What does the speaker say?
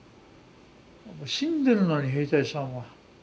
死んでるのに兵隊さんは。